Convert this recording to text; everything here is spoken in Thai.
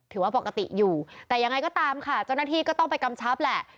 ถือว่าปกติอยู่แต่ยังไงก็ตามค่ะเจ้าหน้าที่ก็ต้องไปกำชับแหละ